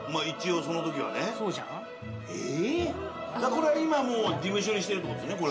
これは今もう事務所にしてるって事ですね。